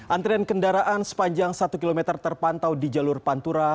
antrian kendaraan sepanjang satu km terpantau di jalur pantura